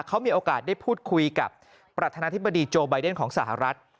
เขามีโอกาสได้พูดคุยกับประธานาธิบดีโจไบเดนของสหรัฐ